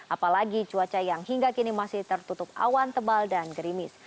apalagi cuaca yang hingga kini masih tertutup awan tebal dan gerimis